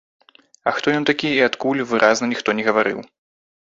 А хто ён такі і адкуль, выразна ніхто не гаварыў.